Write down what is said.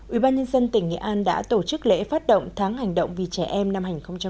ubnd tỉnh nghệ an đã tổ chức lễ phát động tháng hành động vì trẻ em năm hai nghìn hai mươi